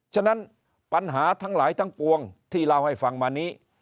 ฉะนั้นปัญหาทั้งหลายทั้งปวงที่เล่าให้ฟังมานี้